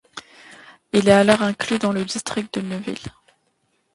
Il est alors inclus dans le district de Neuville.